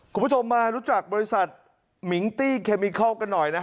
คุณผู้ชมมารู้จักบริษัทมิงตี้เคมิเคิลกันหน่อยนะฮะ